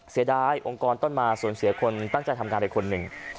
เสียดายองค์กรต้นมาสูญเสียคนตั้งใจทำงานไปคนหนึ่ง